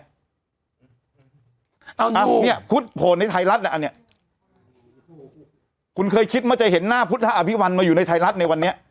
เอาเนี่ยพุทธโผล่ในไทยรัฐน่ะอันนี้คุณเคยคิดไหมจะเห็นหน้าพุทธอภิวัลมาอยู่ในไทยรัฐในวันนี้